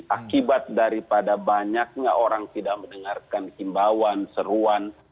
akibat daripada banyaknya orang tidak mendengarkan himbauan seruan